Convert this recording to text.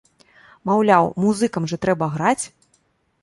Маўляў, музыкам жа трэба граць!